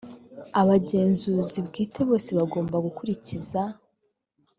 abagenzuzi bwite bose bagomba gukurikiza